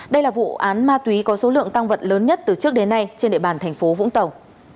đây là vụ án ma túy có số lượng tăng vật lớn nhất từ trước đến nay trên địa bàn thành phố vũng tàu